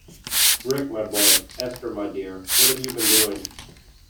Rick, my boy, Esther, my dear, what have you been doing?